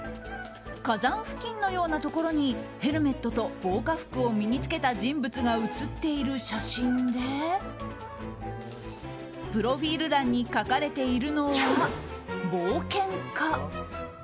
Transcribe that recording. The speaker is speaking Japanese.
火山付近のようなところにヘルメットと防火服を身に着けた人物が写っている写真でプロフィール欄に書かれているのは、冒険家。